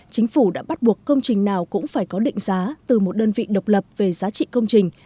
chính phủ đã bắt buộc công trình nào cũng phải có định giá từ một đơn vị độc lập về giá trị công trình